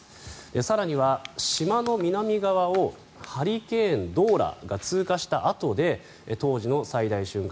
更には島の南側をハリケーン、ドーラが通過したあとで当時の最大瞬間